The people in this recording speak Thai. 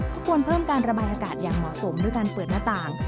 ควรเพิ่มการระบายอากาศอย่างเหมาะสมด้วยการเปิดหน้าต่าง